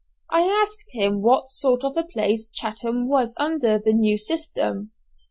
I asked him what sort of a place Chatham was under the new system.